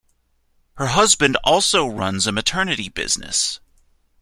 Her husband also runs a maternity business.